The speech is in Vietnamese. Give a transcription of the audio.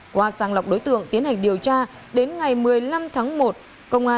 qua sàng lọc đối tượng tiến hành điều tra đến ngày một mươi năm tháng một